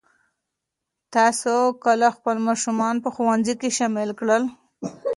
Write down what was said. تاسو کله خپل ماشومان په ښوونځي کې شامل کړل؟